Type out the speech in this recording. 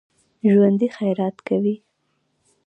ژوندي خیرات کوي